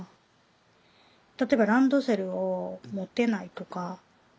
例えばランドセルを持てないとか。